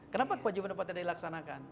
kenapa kewajiban apa tidak dilaksanakan